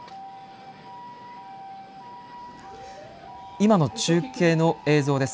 今の中継の映像です。